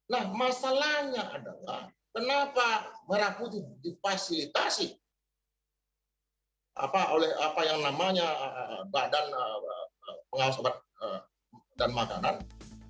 nah masalahnya adalah kenapa merah putih dipasilitasi oleh apa yang namanya badan pengawas obat dan makanan